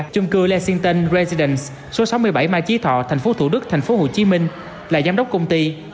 chung cư lexington residence số sáu mươi bảy mai trí thọ thành phố thủ đức thành phố hồ chí minh là giám đốc công ty